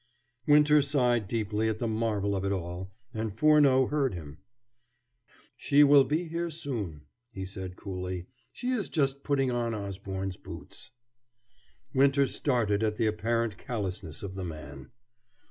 Winter sighed deeply at the marvel of it all, and Furneaux heard him. "She will be here soon," he said coolly. "She is just putting on Osborne's boots." Winter started at the apparent callousness of the man.